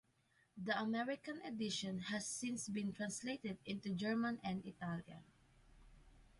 The American edition has since been translated into German and Italian.